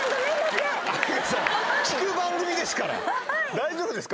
大丈夫ですか？